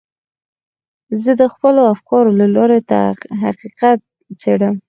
زه د خپلو افکارو له لارې حقیقت څېړم.